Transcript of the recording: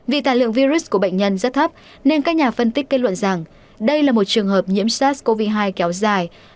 vì tài lượng virus của bệnh nhân rất thấp nên các nhà phân tích kết luận rằng đây là một trường hợp nhiễm sars cov hai kéo dài